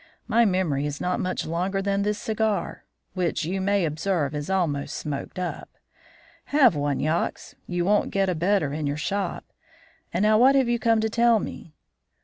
My memory is not much longer than this cigar, which you may observe is almost smoked up. Have one, Yox; you won't get a better in your shop; and now, what have you come to tell me?"